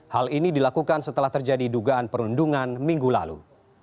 hal ini dilakukan setelah terjadi dugaan perundungan minggu lalu